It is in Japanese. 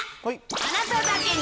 あなただけに！